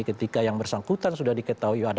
ketika yang bersangkutan sudah diketahui